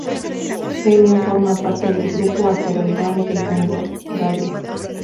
Ellen forma parte del grupo asteroidal de Hungaria.